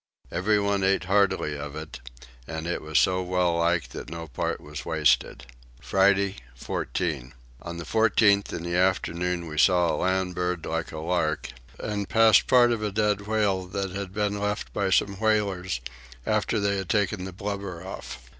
Everyone eat heartily of it; and it was so well liked that no part was wasted. Friday 14. On the 14th in the afternoon we saw a land bird like a lark, and passed part of a dead whale that had been left by some whalers after they had taken the blubber off.